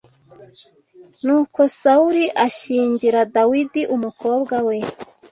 Nuko Sawuli ashyingira Dawidi umukobwa we